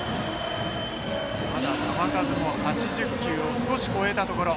球数もまだ８０球を少し超えたところ。